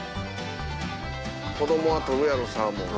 子どもは取るやろサーモンは。